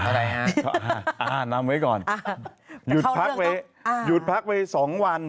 อ่านำไว้ก่อนหยุดพักไว้๒วัน